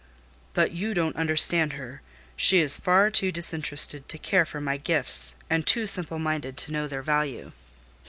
"But you don't understand her; she is far too disinterested to care for my gifts, and too simple minded to know their value."